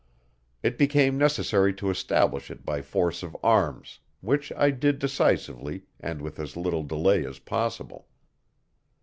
It became necessary to establish it by force of arms, which I did decisively and with as little delay as possible.